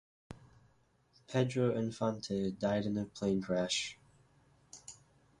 Pedro Infante died in a plane crash.